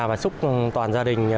và chúc toàn gia đình